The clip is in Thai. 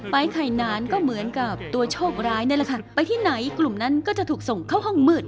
ไข่นานก็เหมือนกับตัวโชคร้ายนั่นแหละค่ะไปที่ไหนกลุ่มนั้นก็จะถูกส่งเข้าห้องมืด